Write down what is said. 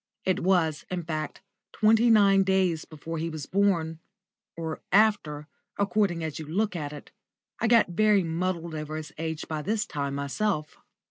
It was, in fact, twenty nine days before he was born, or after, according as you look at it. I got very muddled over his age about this time myself.